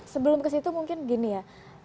sebelum ke situ mungkin gini ya